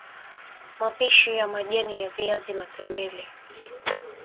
Mapishi ya majani ya viazi Matembele